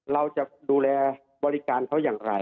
เราจะดูแลบริการเขาอย่างไร